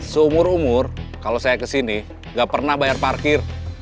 seumur umur kalau saya ke sini nggak pernah bayar parkir